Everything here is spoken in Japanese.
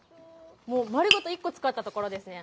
もう丸ごと１個使ったところですね。